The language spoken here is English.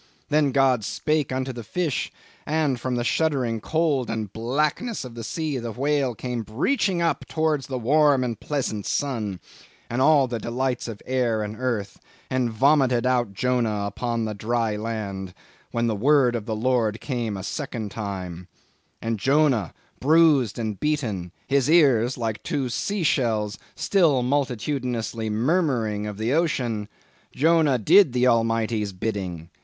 Then God spake unto the fish; and from the shuddering cold and blackness of the sea, the whale came breeching up towards the warm and pleasant sun, and all the delights of air and earth; and 'vomited out Jonah upon the dry land;' when the word of the Lord came a second time; and Jonah, bruised and beaten—his ears, like two sea shells, still multitudinously murmuring of the ocean—Jonah did the Almighty's bidding.